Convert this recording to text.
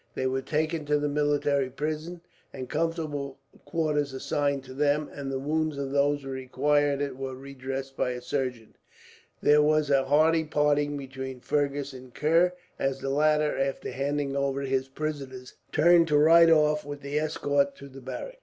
They were taken to the military prison, and comfortable quarters assigned to them; and the wounds of those who required it were redressed by a surgeon. There was a hearty parting between Fergus and Kerr, as the latter, after handing over his prisoners, turned to ride off with the escort to the barracks.